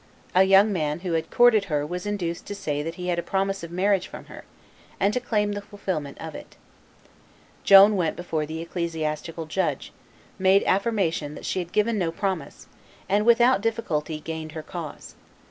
A young man who had courted her was induced to say that he had a promise of marriage from her, and to claim the fulfilment of it. Joan went before the ecclesiastical judge, made affirmation that she had given no promise, and without difficulty gained her cause.